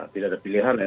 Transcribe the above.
bila ada pilihan ya